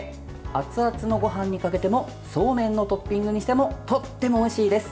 熱々のごはんにかけてもそうめんのトッピングにしてもとってもおいしいです。